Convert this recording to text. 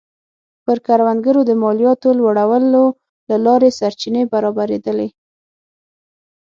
پر کروندګرو د مالیاتو لوړولو له لارې سرچینې برابرېدلې